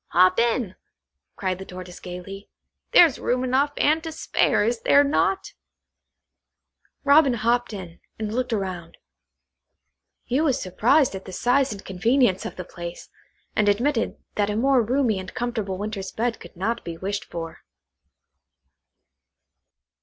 "Hop in," cried the Tortoise gaily; "there's room enough and to spare, is there not?" Robin hopped in, and looked round. He was surprised at the size and convenience of the place, and admitted that a more roomy and comfortable winter's bed could not be wished for.